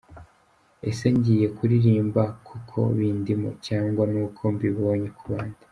Ese ngiye kuririmba kuko bindimo cyangwa n’uko mbibonye ku bandi? .